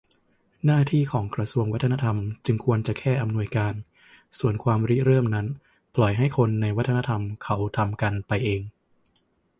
หน้าที่ของกระทรวงวัฒนธรรมจึงควรจะแค่ อำนวยการ ส่วนความริเริ่มนั้นปล่อยให้คนในวัฒนธรรมเขาทำกันไปเอง